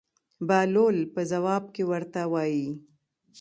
بهلول په ځواب کې ورته وایي.